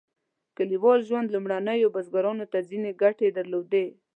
کلیوال ژوند لومړنیو بزګرانو ته ځینې ګټې درلودې.